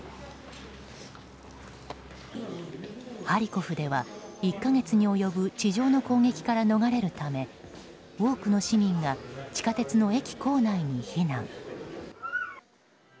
ハリコフでは１か月に及ぶ地上の攻撃から逃れるため、多くの市民が地下鉄の駅構内に避難。